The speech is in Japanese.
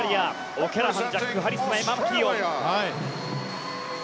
オキャラハンジャック、ハリスエマ・マキーオン。